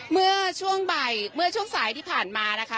เมื่อช่วงบ่ายเมื่อช่วงสายที่ผ่านมานะคะ